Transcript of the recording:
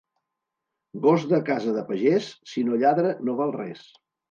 Gos de casa de pagès, si no lladra no val res.